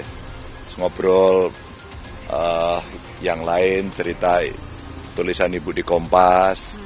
terus ngobrol yang lain cerita tulisan ibu di kompas